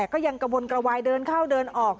พูดสิทธิ์ข่าวบอกว่าพระต่อว่าชาวบ้านที่มายืนล้อมอยู่แบบนี้ค่ะ